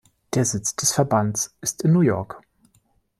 Der Sitz des Verbands ist in New York.